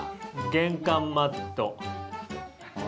玄関マット。